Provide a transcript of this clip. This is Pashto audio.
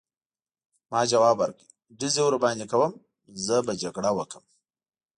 ما ځواب ورکړ: ډزې ورباندې کوم، زه به جګړه وکړم.